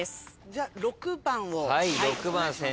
じゃ６番を。